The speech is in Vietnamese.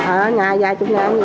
ở nhà vài chục ngàn gì